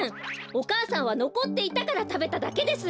お母さんはのこっていたからたべただけです！